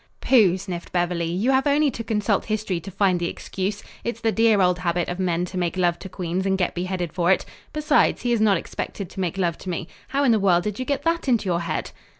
"Pooh!" sniffed Beverly. "You have only to consult history to find the excuse. It's the dear old habit of men to make love to queens and get beheaded for it. Besides, he is not expected to make love to me. How in the world did you get that into your head?"